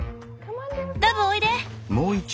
ダブおいで！